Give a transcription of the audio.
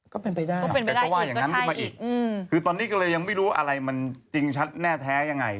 ก็เป็นไปได้แต่ก็ว่าอย่างนั้นขึ้นมาอีกคือตอนนี้ก็เลยยังไม่รู้อะไรมันจริงชัดแน่แท้ยังไง